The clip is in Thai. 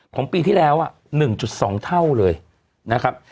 ปีที่แล้ว๑๒เท่าเลยนะครับ